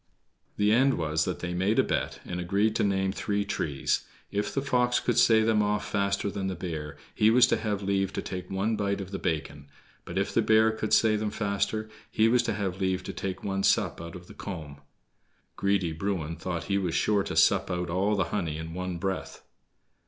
The end was that they made a bet, and agreed to name three trees. If the fox could say them off faster than the bear, he was to have leave to take one bite of the bacon; but if the bear could say them faster, he was to have leave to take one sup out of the comb. Greedy Bruin thought he was sure to sup out all the honey at one breath.